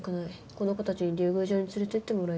この子たちに竜宮城に連れてってもらいたい。